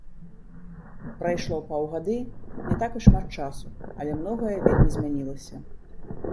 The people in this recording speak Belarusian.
Прайшло паўгады, не так і шмат часу, але многае вельмі змянілася.